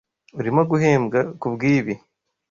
Urimo guhembwa kubwibi?